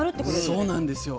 そうなんですよ。